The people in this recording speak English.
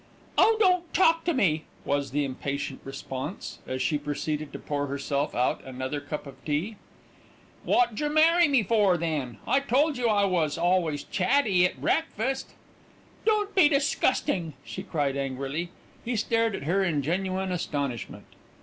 "Oh! don't talk to me," was the impatient response, as she proceeded to pour herself out another cup of tea. "Wotjer marry me for, then? I told you I was always chatty at breakfast." "Don't be disgusting!" she cried angrily. He stared at her in genuine astonishment.